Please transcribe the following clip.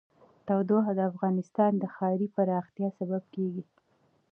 تودوخه د افغانستان د ښاري پراختیا سبب کېږي.